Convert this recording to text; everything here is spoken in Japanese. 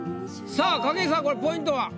さあ筧さんこれポイントは？